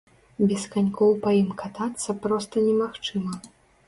Без канькоў па ім катацца проста немагчыма.